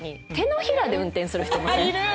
いる！